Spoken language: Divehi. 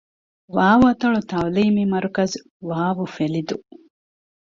ވ. އަތޮޅު ތަޢުލީމީ މަރުކަޒު، ވ. ފެލިދޫ